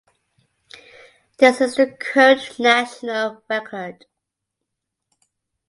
This is the current national record.